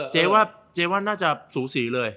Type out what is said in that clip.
เจ๊ว่าน่าจะสูงสีเลย